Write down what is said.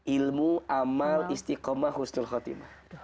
ilmu amal istikomah husnul khatimah